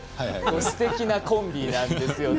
すてきなコンビなんですよね。